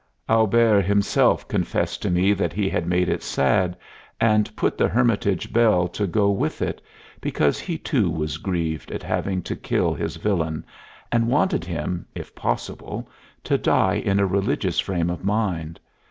Auber himself confessed to me that he had made it sad and put the hermitage bell to go with it, because he too was grieved at having to kill his villain, and wanted him, if possible, to die in a religious frame of mind.